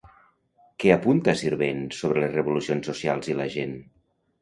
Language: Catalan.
Què apunta Sirvent sobre les revolucions socials i la gent?